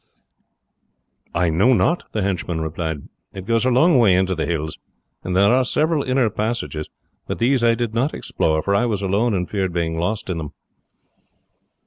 "I know not," the henchman replied; "it goes a long way into the hills, and there are several inner passages; but these I did not explore, for I was alone and feared being lost in them."